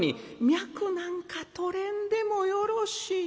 「脈なんかとれんでもよろしい。